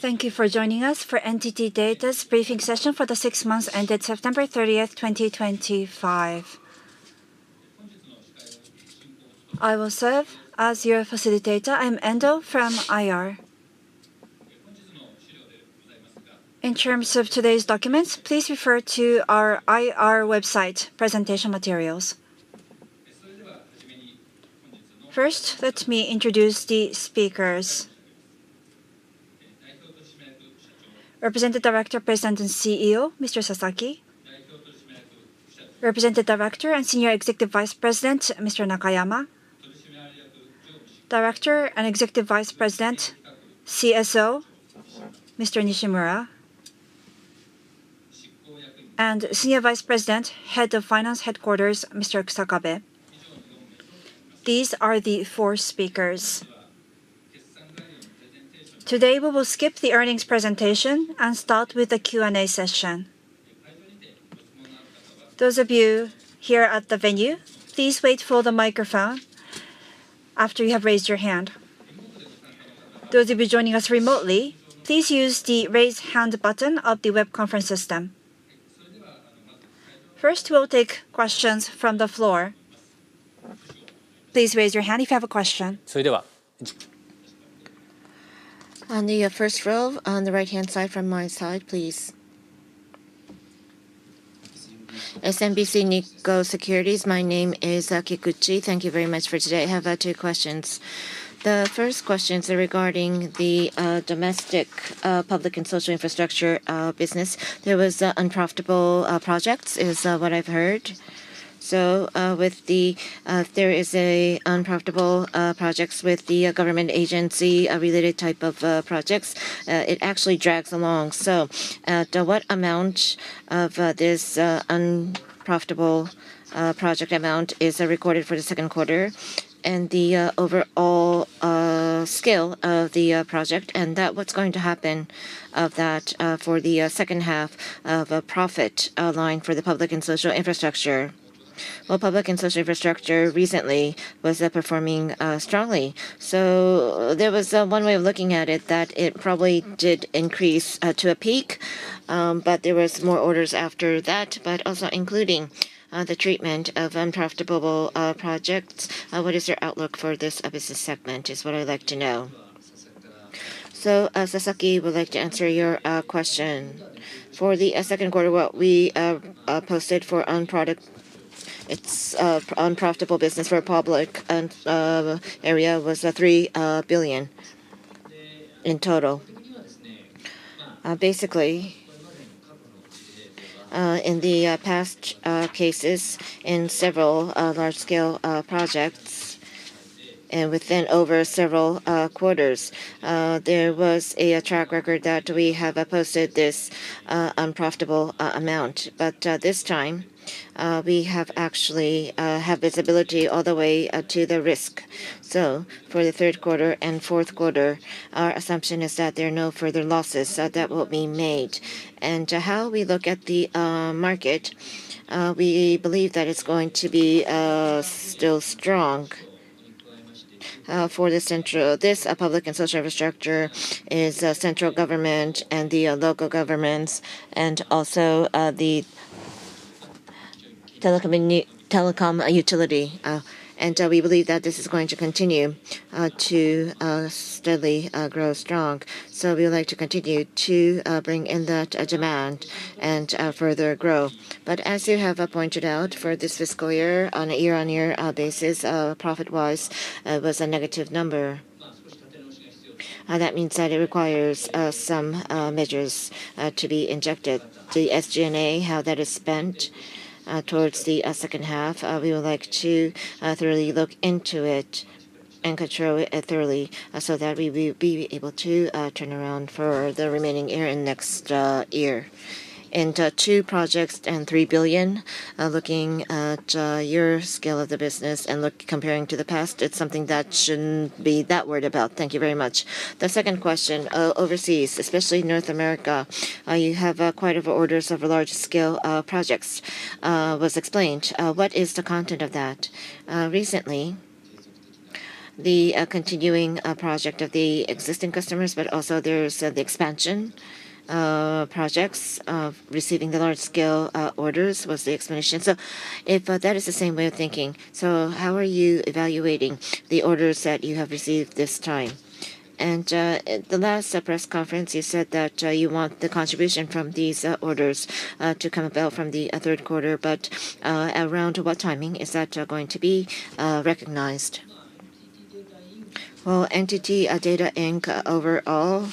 Thank you for joining us for NTT DATA's briefing session for the six months ended September 30th, 2025. I will serve as your facilitator. I'm Endo from IR. In terms of today's documents, please refer to our IR website presentation materials. それでは始めに。First, let me introduce the speakers. 代表取締役社長。Representative Director, President, and CEO, Mr. Sasaki. 代表取締役社長。Representative Director and Senior Executive Vice President, Mr. Nakayama. 取締役常務。Director and Executive Vice President, CSO, Mr. Nishimura. And Senior Vice President, Head of Finance Headquarters, Mr. Kusakabe. These are the four speakers. Today we will skip the earnings presentation and start with the Q&A session. Those of you here at the venue, please wait for the microphone after you have raised your hand. Those of you joining us remotely, please use the raise hand button of the web conference system. First, we'll take questions from the floor. Please raise your hand if you have a question. それでは。On your first row, on the right-hand side from my side, please. SMBC Nikko Securities, my name is Kikuchi. Thank you very much for today. I have two questions. The first question is regarding the domestic Public & Social Infrastructure business. There were unprofitable projects, is what I've heard. So there are unprofitable projects with the government agency-related type of projects. It actually drags along. So what amount of this unprofitable project amount is recorded for the second quarter and the overall scale of the project? And what's going to happen of that for the second half of profit line for the Public & Social Infrastructure? Well, Public & Social Infrastructure recently was performing strongly. So there was one way of looking at it that it probably did increase to a peak, but there were more orders after that. But also including the treatment of unprofitable projects, what is your outlook for this business segment is what I'd like to know. Sasaki would like to answer your question. For the second quarter, what we posted for unprofitable business for public area was 3 billion in total. Basically, in the past cases in several large-scale projects and within over several quarters, there was a track record that we have posted this unprofitable amount. But this time, we actually have visibility all the way to the risk. For the third quarter and fourth quarter, our assumption is that there are no further losses that will be made. And how we look at the market, we believe that it's going to be still strong. For this central, this Public & Social Infrastructure is central government and the local governments and also the Telecom & Utility. We believe that this is going to continue to steadily grow strong. We would like to continue to bring in that demand and further grow. As you have pointed out, for this fiscal year, on a year-on-year basis, profit-wise, it was a negative number. That means that it requires some measures to be injected. The SG&A, how that is spent towards the second half, we would like to thoroughly look into it and control it thoroughly so that we will be able to turn around for the remaining year and next year. Two projects and 3 billion, looking at your scale of the business and comparing to the past, it's something that shouldn't be that worried about. Thank you very much. The second question, overseas, especially North America, you have quite a few orders of large-scale projects, was explained. What is the content of that? Recently, the continuing project of the existing customers, but also there's the expansion projects receiving the large-scale orders, was the explanation. So if that is the same way of thinking, so how are you evaluating the orders that you have received this time? And the last press conference, you said that you want the contribution from these orders to come about from the third quarter. But around what timing is that going to be recognized? NTT DATA, Inc., overall,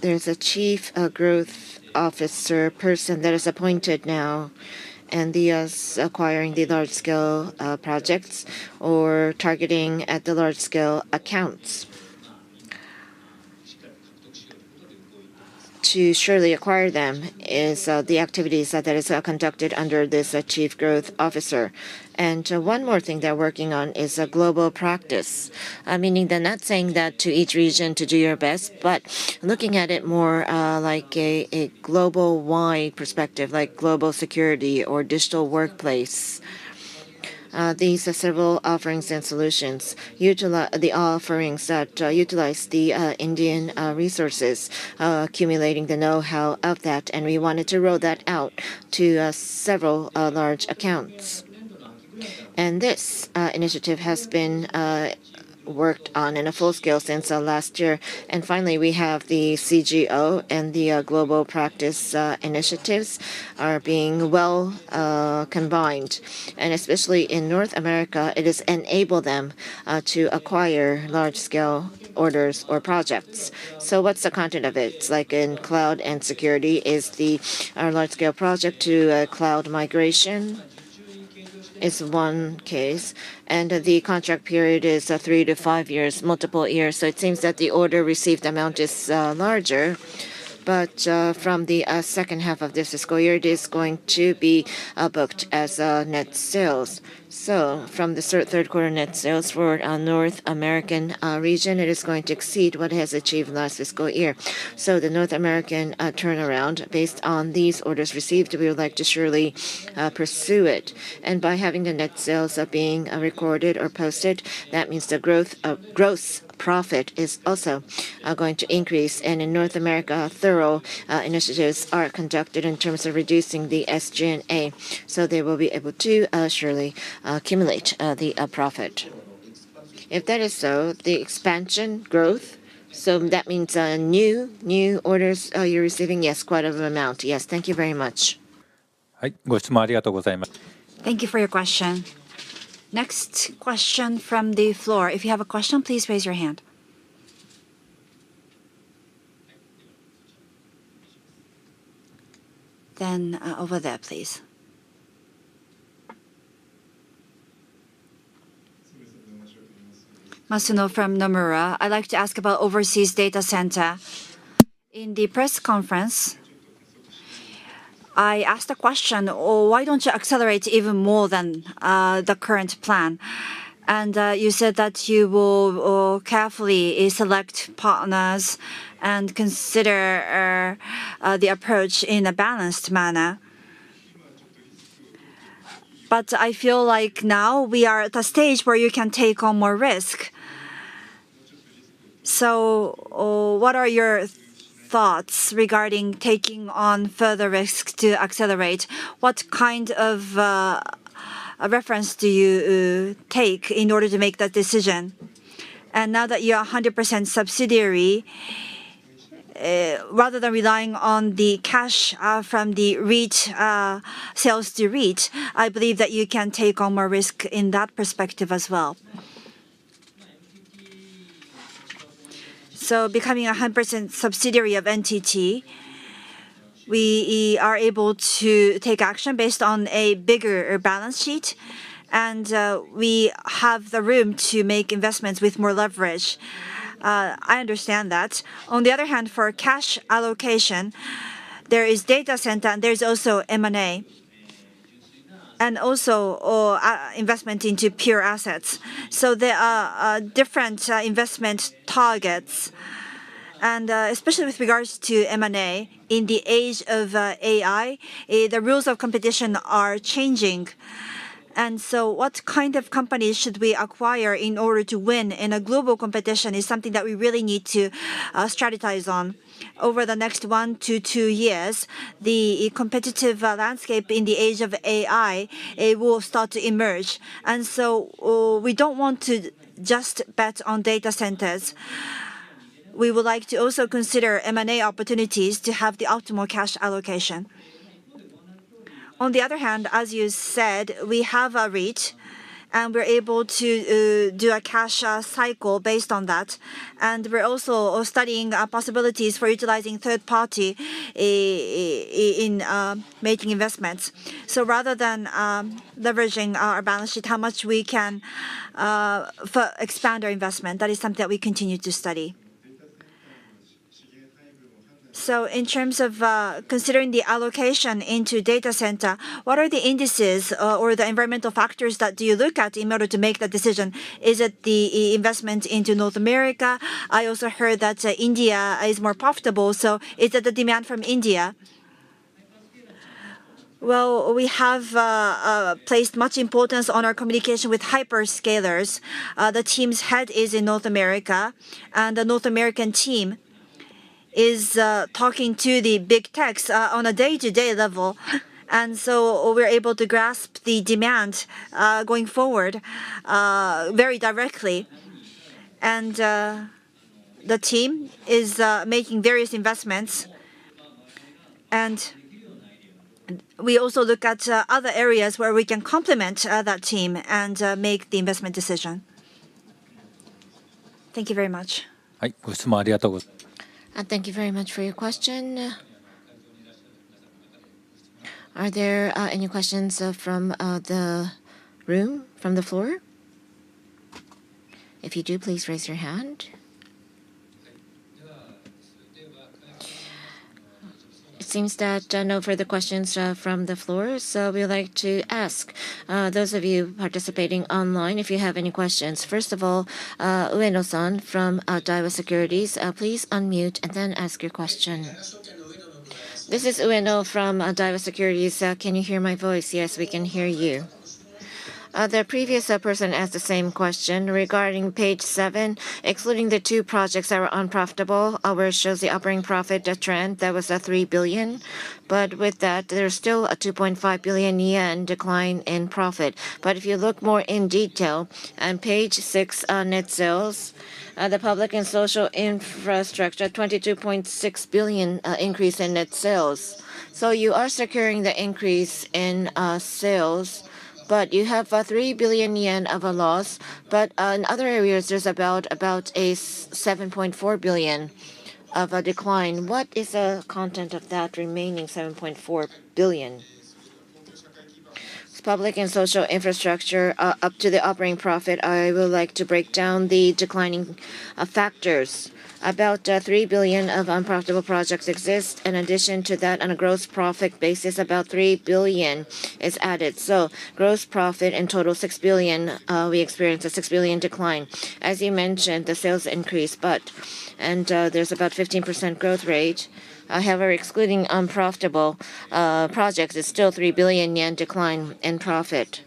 there's a Chief Growth Officer person that is appointed now and the acquiring the large-scale projects or targeting at the large-scale accounts. To surely acquire them is the activities that are conducted under this Chief Growth Officer. And one more thing they're working on is a global practice, meaning they're not saying that to each region to do your best, but looking at it more like a global-wide perspective, like Global Security or Digital Workplace. These are several offerings and solutions, the offerings that utilize the Indian resources, accumulating the know-how of that. And we wanted to roll that out to several large accounts. And this initiative has been worked on in a full scale since last year. And finally, we have the CGO and the global practice initiatives being well combined. And especially in North America, it has enabled them to acquire large-scale orders or projects. So what's the content of it? It's like in cloud and security, is the large-scale project to cloud migration is one case. And the contract period is three to five years, multiple years. So it seems that the order received amount is larger. But from the second half of this fiscal year, it is going to be booked as net sales. From the third quarter net sales for North American region, it is going to exceed what it has achieved last fiscal year. The North American turnaround based on these orders received, we would like to surely pursue it. By having the net sales being recorded or posted, that means the gross profit is also going to increase. In North America, thorough initiatives are conducted in terms of reducing the SG&A. They will be able to surely accumulate the profit. If that is so, the expansion growth, so that means new orders you're receiving, yes, quite an amount. Yes. Thank you very much. はい、ご質問ありがとうございます。Thank you for your question. Next question from the floor. If you have a question, please raise your hand. Then over there, please. Masuno from Nomura. I'd like to ask about overseas data center. In the press conference, I asked a question, why don't you accelerate even more than the current plan? And you said that you will carefully select partners and consider the approach in a balanced manner. But I feel like now we are at a stage where you can take on more risk. So what are your thoughts regarding taking on further risks to accelerate? What kind of reference do you take in order to make that decision? And now that you are 100% subsidiary, rather than relying on the cash from the sales to reach, I believe that you can take on more risk in that perspective as well. So becoming a 100% subsidiary of NTT, we are able to take action based on a bigger balance sheet, and we have the room to make investments with more leverage. I understand that. On the other hand, for cash allocation, there is data center, and there's also M&A, and also investment into fixed assets. So there are different investment targets. And especially with regards to M&A, in the age of AI, the rules of competition are changing. And so what kind of companies should we acquire in order to win in a global competition is something that we really need to strategize on. Over the next one to two years, the competitive landscape in the age of AI will start to emerge. And so we don't want to just bet on data centers. We would like to also consider M&A opportunities to have the optimal cash allocation. On the other hand, as you said, we have a reach, and we're able to do a cash cycle based on that. And we're also studying possibilities for utilizing third-party in making investments. So rather than leveraging our balance sheet, how much we can expand our investment, that is something that we continue to study. So in terms of considering the allocation into data center, what are the indices or the environmental factors that do you look at in order to make that decision? Is it the investment into North America? I also heard that India is more profitable. So is it the demand from India? Well, we have placed much importance on our communication with hyperscalers. The team's head is in North America, and the North American team is talking to the big techs on a day-to-day level. And so we're able to grasp the demand going forward very directly. And the team is making various investments. And we also look at other areas where we can complement that team and make the investment decision. Thank you very much. はい、ご質問ありがとうございます。Thank you very much for your question. Are there any questions from the room, from the floor? If you do, please raise your hand. It seems that no further questions from the floor. So we would like to ask those of you participating online if you have any questions. First of all, Ueno-san from Daiwa Securities, please unmute and then ask your question. This is Ueno from Daiwa Securities. Can you hear my voice? Yes, we can hear you. The previous person asked the same question regarding page seven, excluding the two projects that were unprofitable, where it shows the operating profit trend that was 3 billion JPY. But with that, there's still a 2.5 billion yen decline in profit. But if you look more in detail, on page six, net sales, the Public & Social Infrastructure, 22.6 billion JPY increase in net sales. So you are securing the increase in sales, but you have 3 billion yen of a loss. But in other areas, there's about 7.4 billion of a decline. What is the content of that remaining 7.4 billion? Public & Social Infrastructure up to the operating profit. I would like to break down the declining factors. About 3 billion of unprofitable projects exist. In addition to that, on a gross profit basis, about 3 billion is added. So gross profit in total, 6 billion. We experienced a 6 billion decline. As you mentioned, the sales increased, but there's about 15% growth rate. However, excluding unprofitable projects, it's still 3 billion yen decline in profit.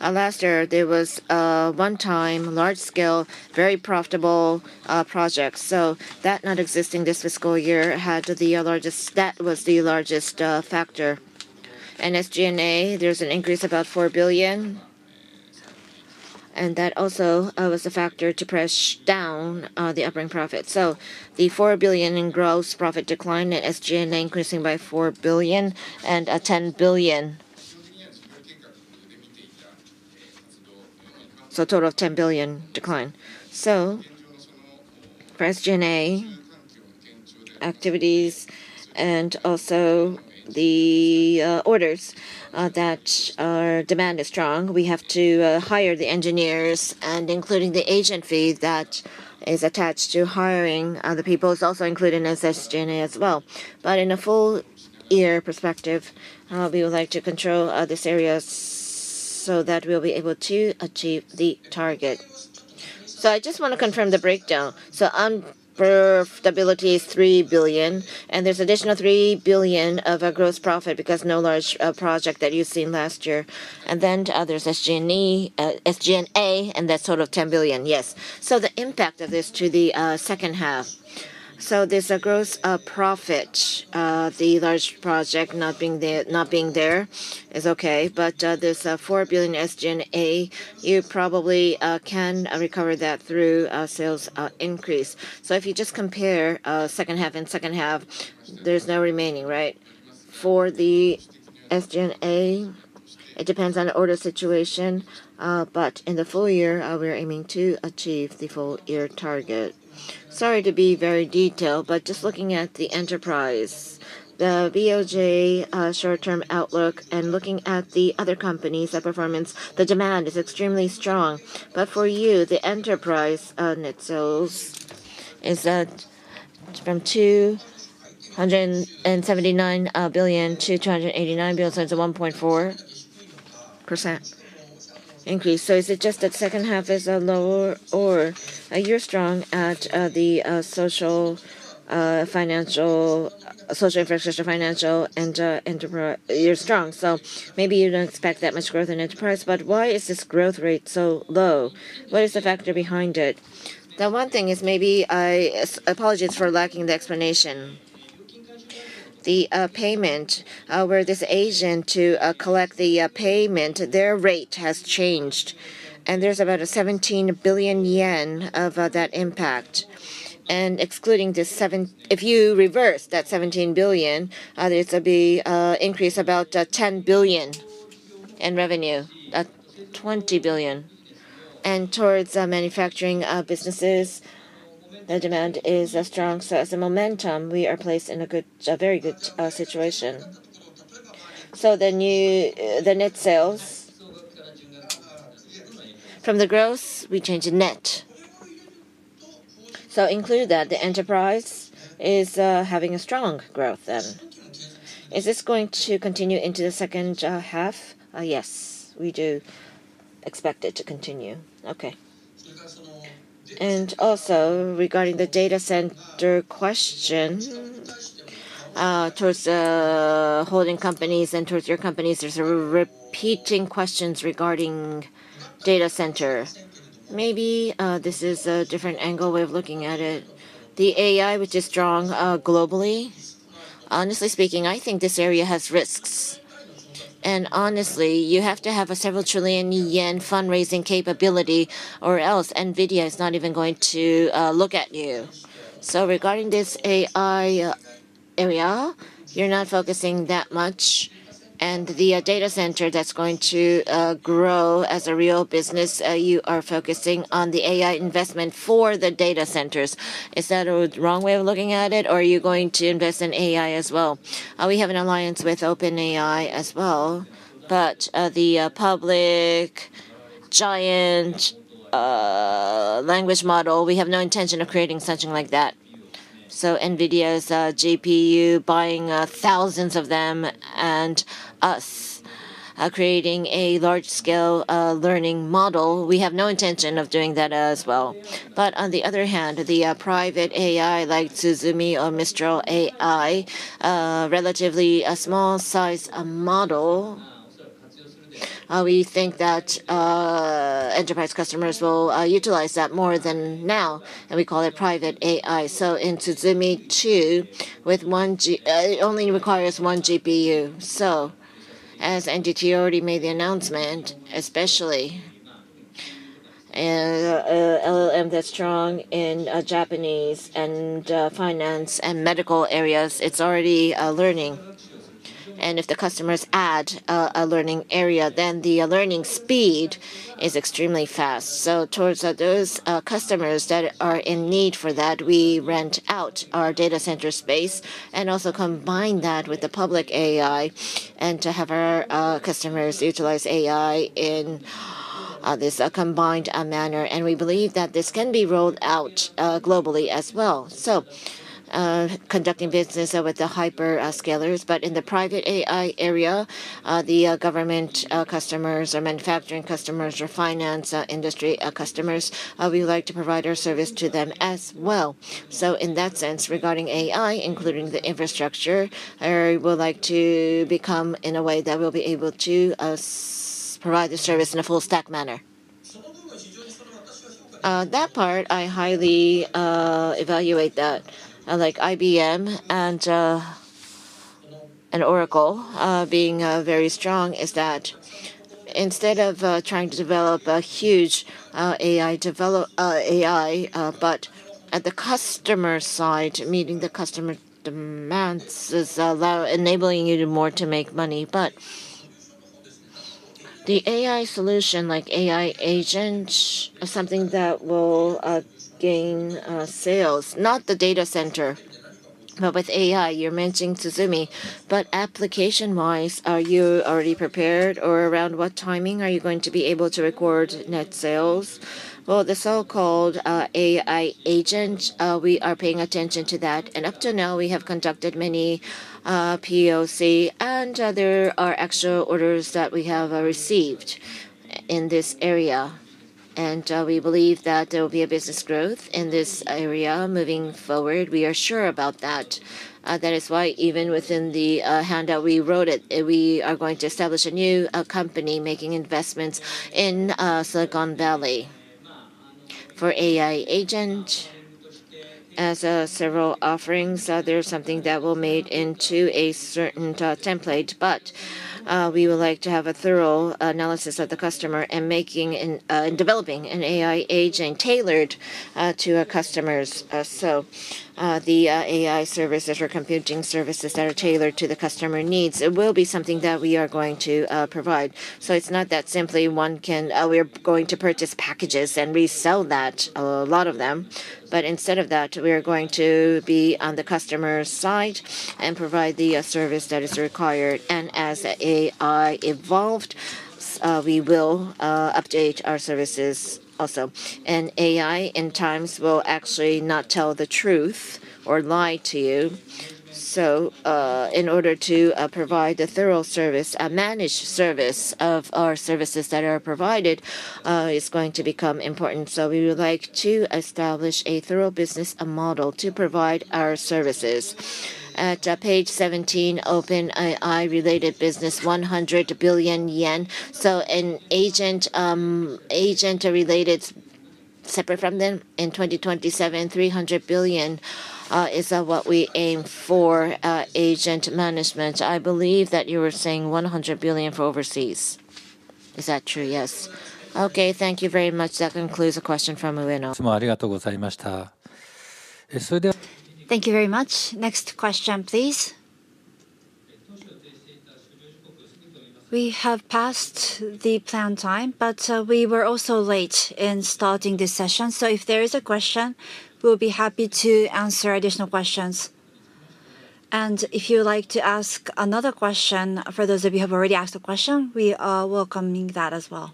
Last year, there was one time large-scale, very profitable projects. So that not existing this fiscal year had the largest. That was the largest factor. And SG&A, there's an increase of about 4 billion. And that also was a factor to push down the operating profit. So the 4 billion in gross profit decline, and SG&A increasing by 4 billion and 10 billion. So a total of 10 billion decline. So for SG&A activities and also the orders that demand is strong, we have to hire the engineers. And including the agent fee that is attached to hiring the people is also included in SG&A as well. But in a full year perspective, we would like to control these areas so that we'll be able to achieve the target. So I just want to confirm the breakdown. So unprofitability is 3 billion, and there's an additional 3 billion of gross profit because no large project that you've seen last year. And then there's SG&A and that's total of 10 billion. Yes. So the impact of this to the second half. So there's a gross profit. The large project not being there is okay. But there's 4 billion SG&A. You probably can recover that through sales increase. So if you just compare second half and second half, there's no remaining, right? For the SG&A, it depends on the order situation. But in the full year, we're aiming to achieve the full year target. Sorry to be very detailed, but just looking at the Enterprise, the BOJ short-term outlook, and looking at the other companies, the performance, the demand is extremely strong. But for you, the Enterprise net sales is that from 279 billion-289 billion, so it's a 1.4% increase. So is it just that second half is lower or you're strong at the Social Financial, social infrastructure, Financial, and Enterprise? You're strong. So maybe you don't expect that much growth in Enterprise. But why is this growth rate so low? What is the factor behind it? The one thing is maybe I apologize for lacking the explanation. The payment, where this agent to collect the payment, their rate has changed. And there's about 17 billion yen of that impact. And excluding this 7, if you reverse that 17 billion, it's a increase of about 10 billion in revenue, 20 billion. And towards manufacturing businesses, the demand is strong. So as a momentum, we are placed in a very good situation. So the net sales, from the gross, we change net. So include that. The Enterprise is having a strong growth then. Is this going to continue into the second half? Yes, we do expect it to continue. Okay. And also regarding the data center question, towards the holding companies and towards your companies, there's repeating questions regarding data center. Maybe this is a different angle way of looking at it. The AI, which is strong globally, honestly speaking, I think this area has risks. And honestly, you have to have a several trillion JPY fundraising capability or else NVIDIA is not even going to look at you. So regarding this AI area, you're not focusing that much. And the data center that's going to grow as a real business, you are focusing on the AI investment for the data centers. Is that a wrong way of looking at it, or are you going to invest in AI as well? We have an alliance with OpenAI as well. But the public large language model, we have no intention of creating something like that. So NVIDIA's GPU buying thousands of them and us creating a large-scale language model, we have no intention of doing that as well. But on the other hand, the private AI like Tsuzumi or Mistral AI, relatively small-sized model, we think that Enterprise customers will utilize that more than now. And we call it private AI. So in Tsuzumi too, it only requires one GPU. So as NTT already made the announcement, especially LLM that's strong in Japanese and finance and medical areas, it's already learning. And if the customers add a learning area, then the learning speed is extremely fast. So towards those customers that are in need for that, we rent out our data center space and also combine that with the public AI and have our customers utilize AI in this combined manner. And we believe that this can be rolled out globally as well. So conducting business with the hyperscalers. But in the private AI area, the government customers or manufacturing customers or finance industry customers, we would like to provide our service to them as well. So in that sense, regarding AI, including the infrastructure, we would like to become in a way that we'll be able to provide the service in a full-stack manner. That part, I highly evaluate that. Like IBM and Oracle being very strong is that instead of trying to develop a huge AI, but at the customer side, meeting the customer demands is enabling you more to make money. But the AI solution, like AI agent, something that will gain sales, not the data center, but with AI, you're mentioning Tsuzumi. But application-wise, are you already prepared or around what timing are you going to be able to record net sales? Well, the so-called AI agent, we are paying attention to that. Up to now, we have conducted many POC, and there are actual orders that we have received in this area. We believe that there will be a business growth in this area moving forward. We are sure about that. That is why even within the handout we wrote it; we are going to establish a new company making investments in Silicon Valley for AI agent as several offerings. There is something that will be made into a certain template. We would like to have a thorough analysis of the customer and developing an AI agent tailored to our customers. The AI services or computing services that are tailored to the customer needs will be something that we are going to provide. It is not that simply one can we are going to purchase packages and resell that, a lot of them. But instead of that, we are going to be on the customer's side and provide the service that is required. And as AI evolved, we will update our services also. And AI, at times, will actually not tell the truth or lie to you. So in order to provide a thorough service, a managed service of our services that are provided is going to become important. So we would like to establish a thorough business model to provide our services. At page 17, OpenAI-related business, 100 billion yen. So an agent-related separate from them, in 2027, 300 billion is what we aim for agent management. I believe that you were saying 100 billion for overseas. Is that true? Yes. Okay, thank you very much. That concludes the question from Ueno. ありがとうございました。それ。Thank you very much. Next question, please. We have passed the planned time, but we were also late in starting this session, so if there is a question, we will be happy to answer additional questions, and if you would like to ask another question, for those of you who have already asked a question, we are welcoming that as well.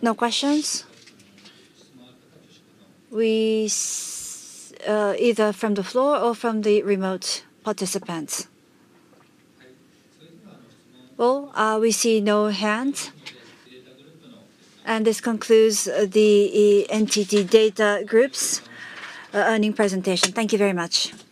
No questions? Either from the floor or from the remote participants, well, we see no hands, and this concludes the NTT DATA Group's earnings presentation. Thank you very much.